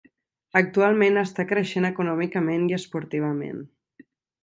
Actualment està creixent econòmicament i esportivament.